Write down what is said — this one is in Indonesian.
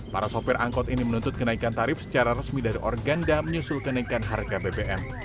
para sopir angkot ini menuntut kenaikan tarif secara resmi dari organda menyusul kenaikan harga bbm